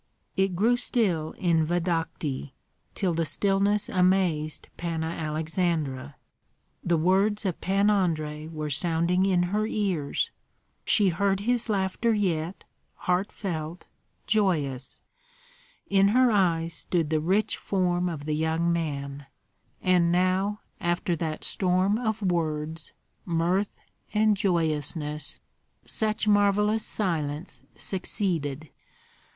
It grew still in Vodokty, till the stillness amazed Panna Aleksandra. The words of Pan Andrei were sounding in her ears; she heard his laughter yet, heartfelt, joyous; in her eyes stood the rich form of the young man; and now after that storm of words, mirth, and joyousness, such marvellous silence succeeded.